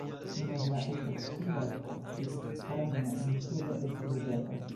Nur la efektiva Pitkarna insulo estas loĝata.